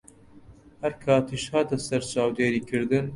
هەر کاتیش هاتە سەر چاودێریکردن